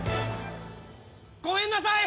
ごめんなさい！